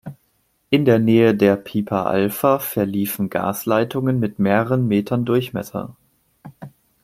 In der Nähe der Piper Alpha verliefen Gasleitungen mit mehreren Metern Durchmesser.